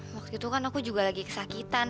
waktu itu kan aku juga lagi kesakitan